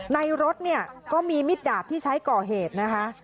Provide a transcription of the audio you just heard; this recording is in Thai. รถเนี่ยก็มีมิดดาบที่ใช้ก่อเหตุนะคะ